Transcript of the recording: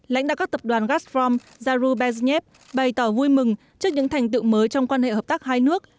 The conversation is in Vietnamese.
lãnh đạo các tập đoàn gazprom zaru bezhnev bày tỏ vui mừng trước những thành tựu mới trong quan hệ hợp tác hai nước